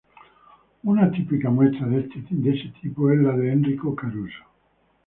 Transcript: Una típica muestra de ese tipo es la de Enrico Caruso.